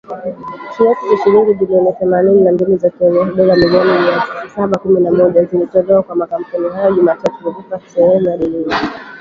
Kiasi cha shilingi bilioni themanini na mbili za Kenya (dola milioni mia saba kumi na moja) zilitolewa kwa makampuni hayo Jumatatu kulipa sehemu ya deni hilo